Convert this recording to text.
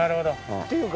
っていうか